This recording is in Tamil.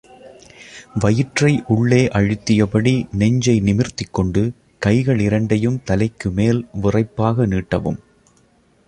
வயிற்றை உள்ளே அழுத்தியபடி நெஞ்சை நிமிர்த்திக் கொண்டு கைகள் இரண்டையும் தலைக்கு மேல் விறைப்பாக நீட்டவும்.